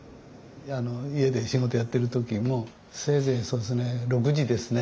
家で仕事やってる時もせいぜいそうですね６時ですね